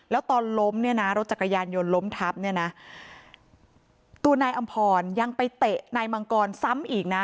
แล้วตอนล้มเนี่ยนะรถจักรยานยนต์ล้มทับเนี่ยนะตัวนายอำพรยังไปเตะนายมังกรซ้ำอีกนะ